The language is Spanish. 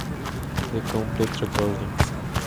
The complete recordings.